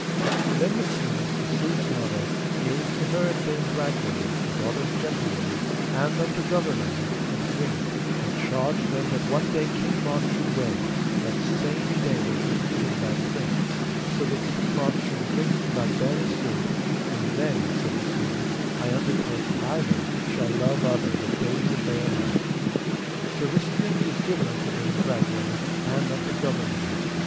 Then the queen, Isoud's mother, gave to her and Dame Bragwaine, her daughter's gentlewoman, and unto Gouvernail, a drink, and charged them that what day King Mark should wed, that same day they should give him that drink, so that King Mark should drink to La Beale Isoud, and then, said the queen, I undertake either shall love other the days of their life. So this drink was given unto Dame Bragwaine, and unto Gouvernail.